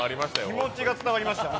気持ちが伝わりましたね。